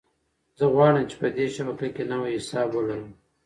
زه غواړم چې په دې شبکه کې نوی حساب ولرم.